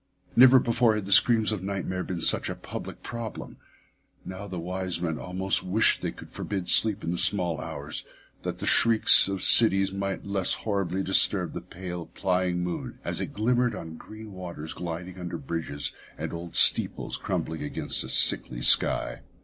Never before had the screams of nightmare been such a public problem; now the wise men almost wished they could forbid sleep in the small hours, that the shrieks of cities might less horribly disturb the pale, pitying moon as it glimmered on green waters gliding under bridges, and old steeples crumbling against a sickly sky.